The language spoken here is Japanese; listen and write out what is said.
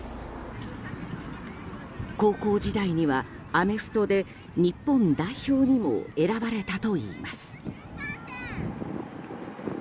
高校時代にはアメフトで日本代表にも選ばれたといいます。